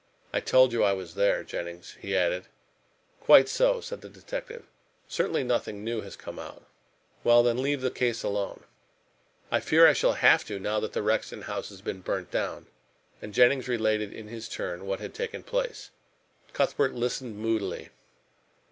"I told you I was there, Jennings," he added. "Quite so," said the detective. "Certainly, nothing new has come out." "Well, then leave the case alone." "I fear I shall have to, now that the Rexton house has been burnt down," and Jennings related in his turn what had taken place. Cuthbert listened moodily.